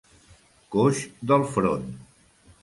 Coix del front.